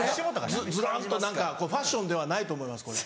ずるんと何かファッションではないと思います